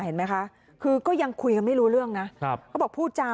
เห็นไหมคะคือก็ยังคุยกันไม่รู้เรื่องนะครับเขาบอกพูดจา